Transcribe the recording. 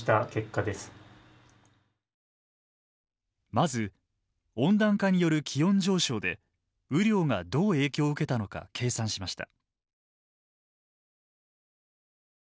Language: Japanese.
まず温暖化による気温上昇で雨量がどう影響を受けたのか計算しました。